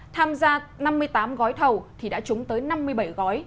tham gia năm mươi tám gói thầu thì đã trúng tới năm mươi bảy gói